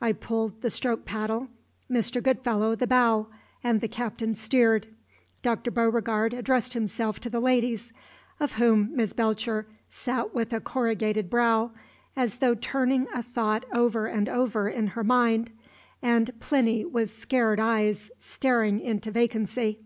I pulled the stroke paddle, Mr. Goodfellow the bow, and the Captain steered. Dr. Beauregard addressed himself to the ladies, of whom Miss Belcher sat with a corrugated brow, as though turning a thought over and over in her mind, and Plinny with scared eyes, staring into vacancy.